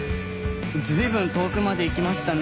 随分遠くまで行きましたね。